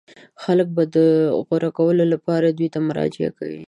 خلک به د غوره کولو لپاره دوی ته مراجعه کوي.